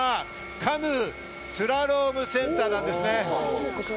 カヌー・スラロームセンターです。